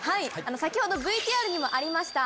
先ほどＶＴＲにもありました